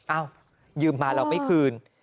อ้าวยืมมาแล้วไม่คืน